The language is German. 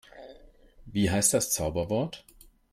Wie heißt das Zauberwort?